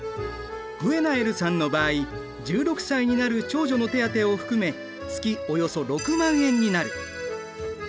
グェナエルさんの場合１６歳になる長女の手当を含め月およそ６万円になる。